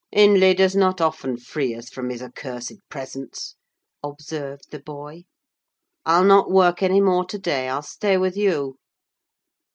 "Hindley does not often free us from his accursed presence," observed the boy. "I'll not work any more to day: I'll stay with you."